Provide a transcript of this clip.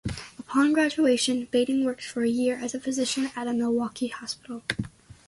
Upon graduation Bading worked for a year as a physician at a Milwaukee hospital.